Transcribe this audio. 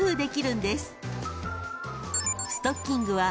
［ストッキングは］